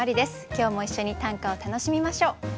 今日も一緒に短歌を楽しみましょう。